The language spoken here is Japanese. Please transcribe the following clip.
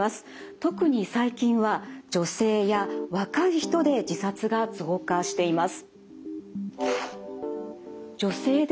特に最近は女性や若い人で自殺が増加しています。